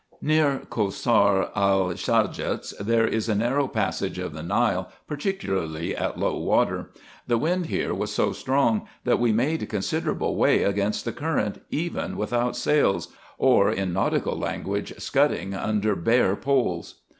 Near Cossar el Sajats there is a narrow passage of the Nile, particularly at low water. The wind here was so strong, that we made considerable way against the current, even without sails ; or, in nautical language, " scudding under bare poles."